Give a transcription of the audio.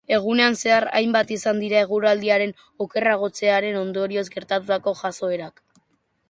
Egunean zehar hainbat izan dira eguraldiaren okerragotzearen ondorioz gertatutako jazoerak.